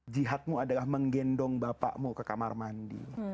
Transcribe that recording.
jihadmu adalah menggendong bapakmu ke kamar mandi